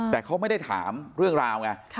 แต่เขาไม่ได้ถามเรื่องราวไง